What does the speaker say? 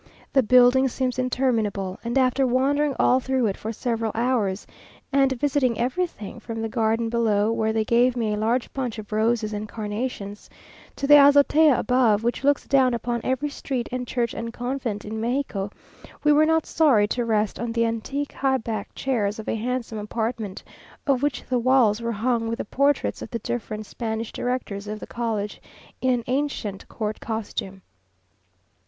The building seems interminable, and after wandering all through it for several hours, and visiting everything from the garden below where they gave me a large bunch of roses and carnations, to the azotea above, which looks down upon every street and church and convent in Mexico we were not sorry to rest on the antique, high backed chairs of a handsome apartment, of which the walls were hung with the portraits of the different Spanish directors of the college in an ancient court costume.